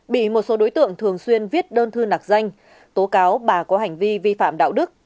bị một số đối tượng thường xuyên viết đơn thư nạc danh tố cáo bà có hành vi vi phạm đạo đức